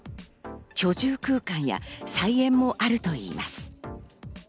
居住空間や菜園もあるといいます。